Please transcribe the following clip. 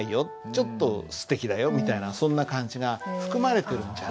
ちょっとすてきだよみたいなそんな感じが含まれてるんじゃないか。